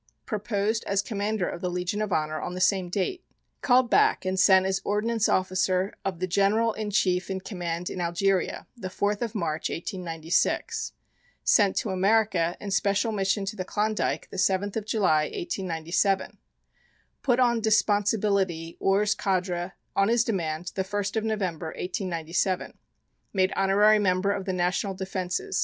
Proposed as Commander of the Legion of Honor on the same date. Called back and sent as Ordinance Officer of the General in Chief in Command in Algeria, the 4th of March, 1896. Sent to America in special mission to the Klondike the 7th of July, 1897. Put on disponsibility Hors Cadre on his demand the 1st of November, 1897. Made Honorary Member of the National Defences.